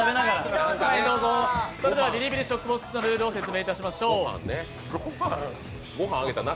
「ビリビリショックボックス」の説明をしましょう。